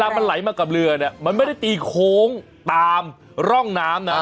มันไหลมากับเรือเนี่ยมันไม่ได้ตีโค้งตามร่องน้ำนะ